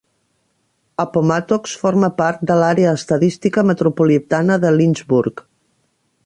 Appomattox forma part de l'Àrea estadística metropolitana de Lynchburg.